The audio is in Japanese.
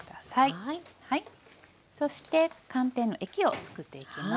そして寒天の液をつくっていきます。